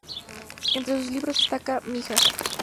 Entre sus libros destacan "Mijas.